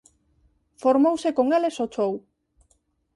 Formouse con eles ó chou.